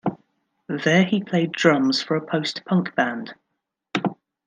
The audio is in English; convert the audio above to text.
There he played drums for a post-punk band.